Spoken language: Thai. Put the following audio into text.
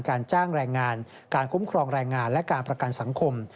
การจ้างแรงงานการคุ้มครองแรงงานและการประกันสังคม